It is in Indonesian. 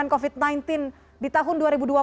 covid sembilan belas di tahun dua ribu dua puluh